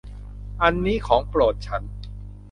อันนี้ของโปรดฉัน